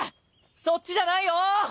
そっちじゃないよ！